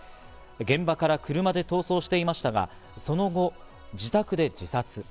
現場から車で逃走していましたが、その後、自宅で自殺。